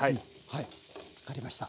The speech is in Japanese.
はい分かりました。